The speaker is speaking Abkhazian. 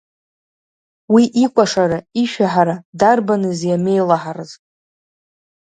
Уи икәашара, ишәаҳәара дарбаныз иамеилаҳарыз!